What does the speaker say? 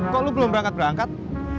kok lo belum berangkat berangkat